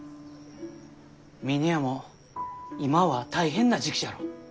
峰屋も今は大変な時期じゃろ？